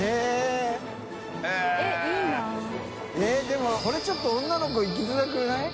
でもこれちょっと女の子行きづらくない？